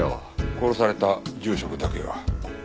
殺された住職だけが。